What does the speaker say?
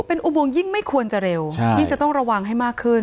เป็นอุโมงยิ่งไม่ควรจะเร็วยิ่งจะต้องระวังให้มากขึ้น